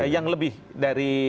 yang lebih dari